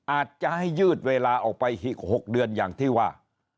อาจจะให้ยืดเวลาออกไปอีก๖เดือนอย่างที่ว่า